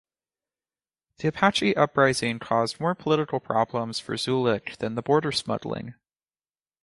The Apache uprising caused more political problems for Zulick than the border smuggling.